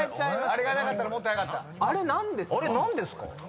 あれなんですか？